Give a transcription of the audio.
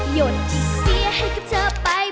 หยุดที่เสียให้กับเธอไป